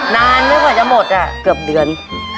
นานไม่กว่าจะหมดอ่ะเกือบเดือน